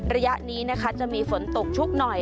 ระยะนี้นะคะจะมีฝนตกชุกหน่อย